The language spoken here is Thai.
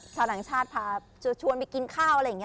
ชาวต่างชาติพาชวนไปกินข้าวอะไรอย่างนี้